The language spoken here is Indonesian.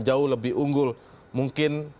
jauh lebih unggul mungkin